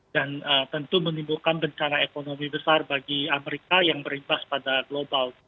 dan tentu menimbulkan bencana ekonomi besar bagi amerika yang berimbas pada global